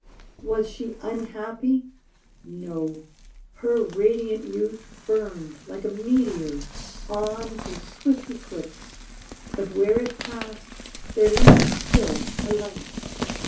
Was she unhappy ? No : her radiant youth Burned, like a meteor, on to swift eclipse ; 136 JOANOFARC But where it passed, there Hngers still a light.